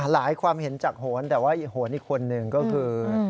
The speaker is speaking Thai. หลายความเห็นจากโหรศาสตร์แต่ว่าโหรศาสตร์อีกคนหนึ่งก็คือ